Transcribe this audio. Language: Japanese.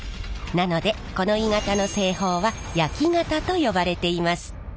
なのでこの鋳型の製法は焼型と呼ばれています。